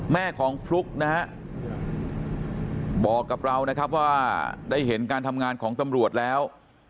แม่ของฟลุ๊กนะฮะบอกกับเรานะครับว่าได้เห็นการทำงานของตำรวจแล้ว